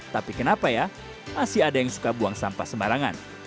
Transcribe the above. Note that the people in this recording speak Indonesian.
tapi kenapa ya masih ada yang suka buang sampah sembarangan